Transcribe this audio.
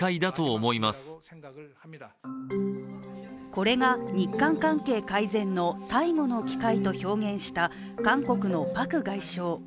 これが日韓関係改善の最後の機会と表現した韓国のパク外相。